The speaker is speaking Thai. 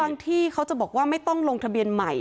ที่เขาจะบอกว่าไม่ต้องลงทะเบียนใหม่